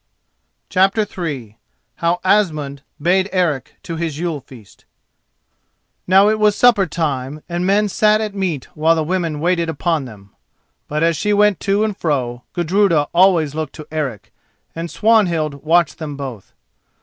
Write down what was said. CHAPTER III HOW ASMUND BADE ERIC TO HIS YULE FEAST Now it was supper time and men sat at meat while the women waited upon them. But as she went to and fro, Gudruda always looked at Eric, and Swanhild watched them both.